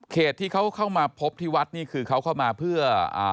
ที่เขาเข้ามาพบที่วัดนี่คือเขาเข้ามาเพื่ออ่า